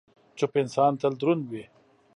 چپ انسان، تل دروند وي.